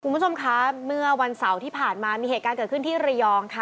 คุณผู้ชมคะเมื่อวันเสาร์ที่ผ่านมามีเหตุการณ์เกิดขึ้นที่ระยองค่ะ